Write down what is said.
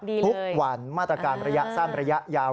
ทุกวันมาตรการระยะสั้นระยะยาว